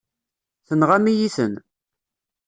Tenɣam-iyi-ten.